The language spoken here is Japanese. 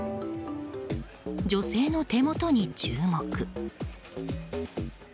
女性の手元に注目。